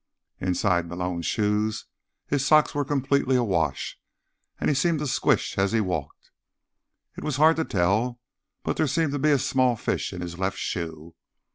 Inside Malone's shoes, his socks were completely awash, and he seemed to squish as he walked. It was hard to tell, but there seemed to be a small fish in his left shoe.